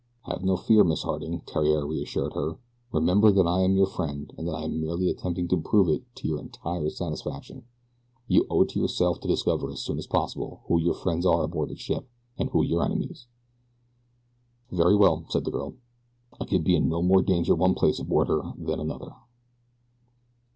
"Have no fear, Miss Harding," Theriere reassured her. "Remember that I am your friend and that I am merely attempting to prove it to your entire satisfaction. You owe it to yourself to discover as soon as possible who your friends are aboard this ship, and who your enemies." "Very well," said the girl. "I can be in no more danger one place aboard her than another."